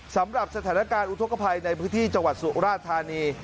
สำหรับสถานการณ์อุทธกภัยในพื้นที่จังหวัดสุราธานี